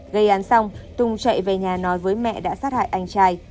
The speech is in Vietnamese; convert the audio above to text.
gây án xong tùng chạy về nhà nói với mẹ đã sát hại anh trai